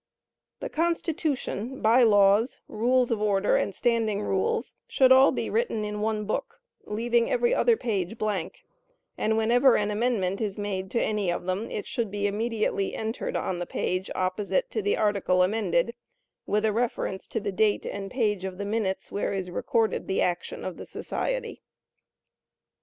The Constitution, By Laws, Rules of Order and Standing Rules should all be written in one book, leaving every other page blank; and whenever an amendment is made to any of them, it should be immediately entered on the page opposite to the article amended, with a reference to the date and page of the minutes where is recorded the action of the society.